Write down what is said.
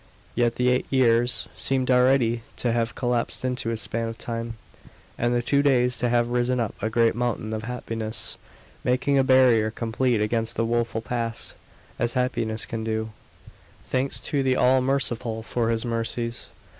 Yet the eight years seemed already to have collapsed into a span of time, and the two days to have risen up a great mountain of happiness, making a barrier complete against the woeful past, as happiness can do thanks to the All merciful for His mercies.